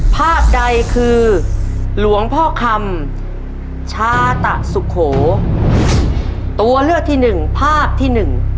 ภาพใดคือหลวงพ่อคำชาตะสุโขตัวเลือกที่หนึ่งภาพที่หนึ่ง